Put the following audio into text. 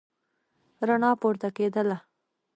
رڼا پورته کېدله.